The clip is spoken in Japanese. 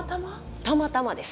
たまたまです。